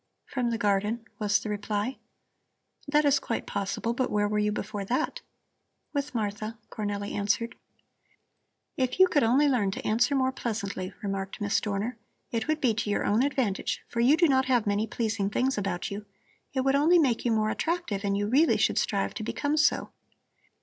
"From the garden," was the reply. "That is quite possible, but where were you before that?" "With Martha," Cornelli answered. "If you could only learn to answer more pleasantly!" remarked Miss Dorner, "it would be to your own advantage, for you do not have many pleasing things about you; it would only make you more attractive, and you really should strive to become so.